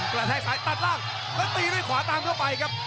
กระแทกซ้ายตัดล่างแล้วตีด้วยขวาตามเข้าไปครับ